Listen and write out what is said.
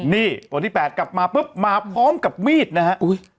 นี่วันที่๘กลับมาปุ๊บมาพร้อมกับมีดนะฮะ